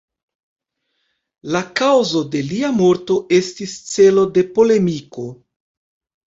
La kaŭzo de lia morto estis celo de polemiko.